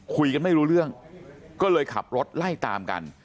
คุยกันไม่รู้เรื่องก็เลยขับรถไล่ตามกัน